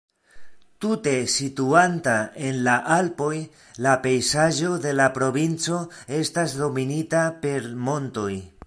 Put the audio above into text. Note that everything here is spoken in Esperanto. Tute situanta en la Alpoj, la pejzaĝo de la provinco estas dominita per montoj.